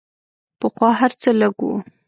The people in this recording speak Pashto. پخوا هر څه لږ وو.